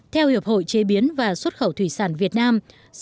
theo hiệp hội chế biến và xuất khẩu thủy sản việt nam